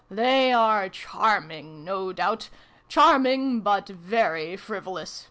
" They are charming, no doubt ! Charming, but very frivolous.